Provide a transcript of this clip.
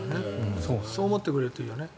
そう思ってくれるといいよね。